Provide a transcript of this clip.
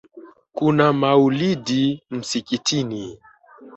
Kuna maulidi msikitini